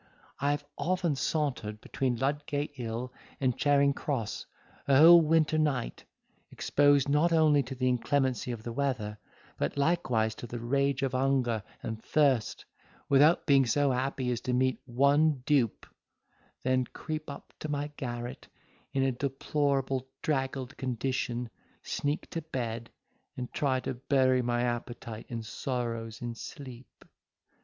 I have often sauntered between Ludgate Hill and Charing Cross a whole winter night, exposed not only to the inclemency of the weather, but likewise to the rage of hunger and thirst, without being so happy as to meet with one dupe, then creep up to my garret, in a deplorable draggled condition, sneak to bed, and try to bury my appetite and sorrows in sleep.